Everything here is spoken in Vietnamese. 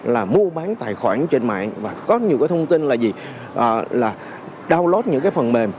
là mua bán tài khoản trên mạng và có nhiều cái thông tin là gì là downloat những cái phần mềm